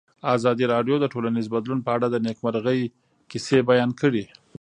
ازادي راډیو د ټولنیز بدلون په اړه د نېکمرغۍ کیسې بیان کړې.